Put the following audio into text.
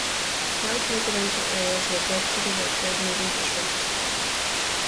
Large residential areas were built for the workers moving to Schwedt.